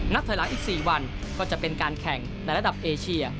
ถอยหลังอีก๔วันก็จะเป็นการแข่งในระดับเอเชีย